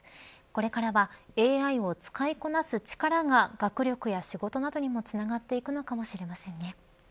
これからはＡＩを使いこなす力が学力や仕事などにもつながっていくのかもしれませんね。